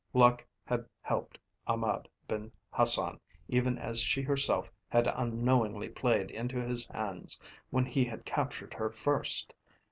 Luck had helped Ahmed Ben Hassan even as she herself had unknowingly played into his hands when he had captured her first.